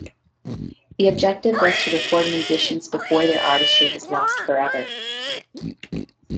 The objective was to record musicians before their artistry was lost forever.